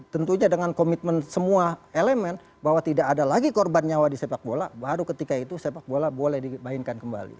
tentunya dengan komitmen semua elemen bahwa tidak ada lagi korban nyawa di sepak bola baru ketika itu sepak bola boleh dimainkan kembali